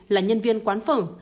là nhân viên quán phở